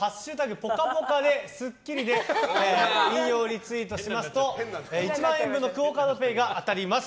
「＃ぽかぽかでスッキリ」で引用リツイートしますと１万円分のＱＵＯカードＰａｙが当たります。